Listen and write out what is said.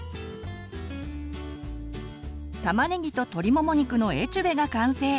たまねぎと鶏もも肉のエチュベが完成！